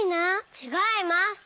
ちがいます。